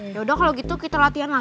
ya udah kalau gitu kita latihan aja